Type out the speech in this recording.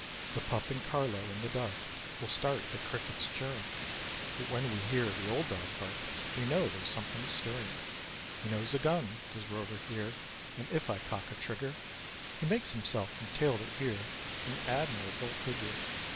The pup and Carlo in the dark Will start at crickets chirring; But when we hear the old dog bark We know there's something stirring. He knows a gun, does Rover here; And if I cock a trigger, He makes himself from tail to ear An admirable figure.